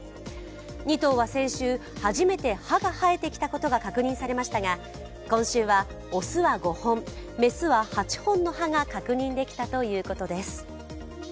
２頭は先週、初めて歯が生えてきたことが確認されましたが今週は雄は５本、雌は８本の歯が確認できたということです。